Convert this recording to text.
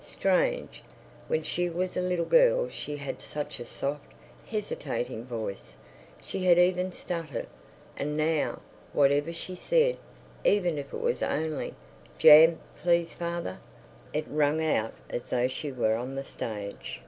Strange! When she was a little girl she had such a soft, hesitating voice; she had even stuttered, and now, whatever she said—even if it was only "Jam, please, father"—it rang out as though she were on the stage.